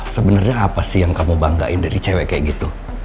sebenarnya apa sih yang kamu banggain dari cewek kayak gitu